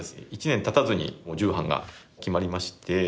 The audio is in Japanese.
１年たたずにもう重版が決まりまして。